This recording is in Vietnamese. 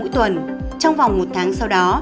trong vòng một tháng sau đó